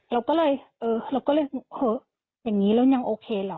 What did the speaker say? เราก็เลยเหอะอย่างนี้เรายังโอเคหรอ